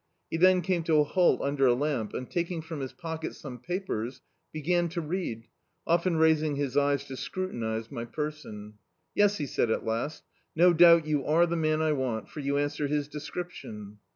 He then came to a halt under a lamp, and, taking from his pocket some papers, began to read, often raising his eyes to scrutinise my person. "Yes," he said, at last, "no doubt you are the man I want, for you answer his description."